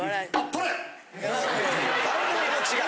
番組が違う。